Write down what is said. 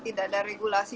tidak ada regulasi